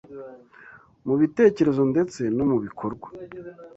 mu bitekerezo ndetse no mu bikorwa